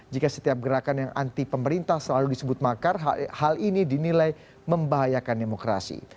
jika setiap gerakan yang anti pemerintah selalu disebut makar hal ini dinilai membahayakan demokrasi